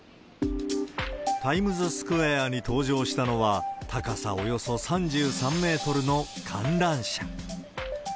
タイムズスクエアに登場したのは、高さおよそ３３メートルの観覧車。